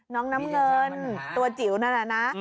น้ำเงินตัวจิ๋วนั่นแหละนะ